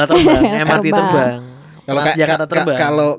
krl terbang mrt terbang mas jakarta terbang